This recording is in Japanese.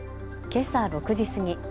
けさ６時過ぎ。